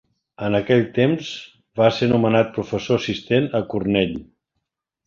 En aquell temps va se nomenat professor assistent a Cornell.